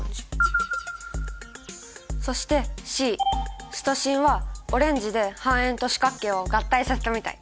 そしてＣシトシンはオレンジで半円と四角形を合体させたみたい。